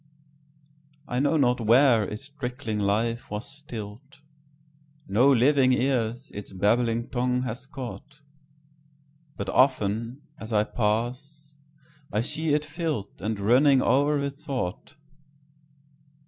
I know not where its trickling life was still'd; No living ears its babbling tongue has caught; But often, as I pass, I see it fill'dAnd running o'er with thought.